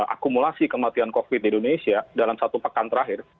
akumulasi kematian covid di indonesia dalam satu pekan terakhir